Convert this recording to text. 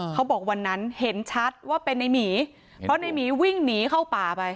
เขาบอกวันนั้นเห็นชัดว่าเป็นในหมีเพราะในหมีวิ่งหนีเข้าป่าไป